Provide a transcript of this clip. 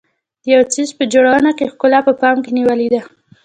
د یو څیز په جوړونه کې ښکلا په پام کې نیولې ده.